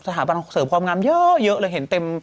สถาบันเสิร์ฟงามนั้นเยอะเลยเห็นเต็ม